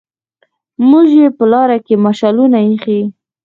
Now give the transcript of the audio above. موږ يې په لار کې مشالونه ايښي